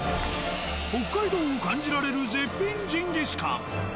北海道を感じられる絶品ジンギスカン。